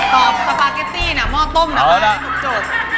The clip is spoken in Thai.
ตอบทาปาเก็ตตี้หม้อต้มแต่ว่าให้ลูกจด